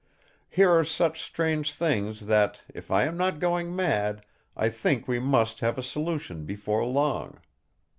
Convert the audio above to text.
Here are such strange things that, if I am not going mad, I think we must have a solution before long.